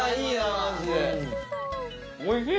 おいしい！